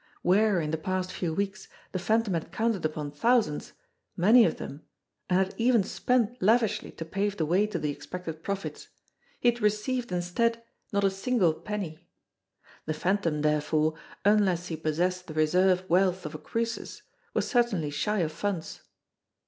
Where, in the past few weeks, the Phantom had counted upon thousands, many of them, and had even spent lavishly to pave the way to the expected profits, he had received instead not a single penny. The Phantom, therefore, unless he possessed the reserve wealth of a Croesus, was certainly shy of funds.